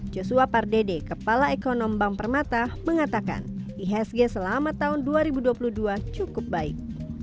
joshua pardede kepala ekonom bank permata mengatakan ihsg selama tahun dua ribu dua puluh dua cukup baik